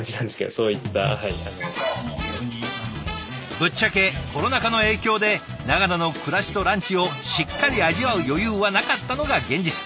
ぶっちゃけコロナ禍の影響で長野の暮らしとランチをしっかり味わう余裕はなかったのが現実。